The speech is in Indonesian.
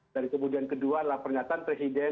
dan kemudian kedua adalah pernyataan presiden